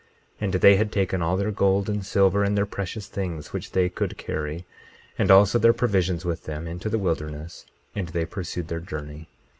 22:12 And they had taken all their gold, and silver, and their precious things, which they could carry, and also their provisions with them, into the wilderness; and they pursued their journey.